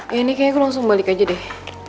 ya ini kayaknya gue langsung balik aja deh